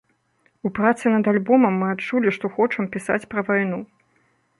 У працы над альбомам мы адчулі, што хочам пісаць пра вайну.